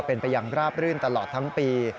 เป็นไปอย่างราบรื่นตลอดทั้งปี